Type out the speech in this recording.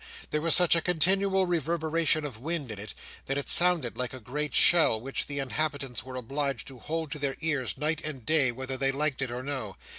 There was such a continual reverberation of wind in it, that it sounded like a great shell, which the inhabitants were obliged to hold to their ears night and day, whether they liked it or no.